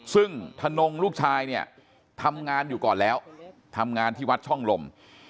ซึ่งธนงลูกชายเนี่ยทำงานอยู่ก่อนแล้วทำงานที่วัดช่องลม